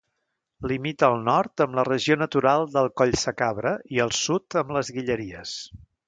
Limita al nord amb la regió natural del Collsacabra i al sud amb Les Guilleries.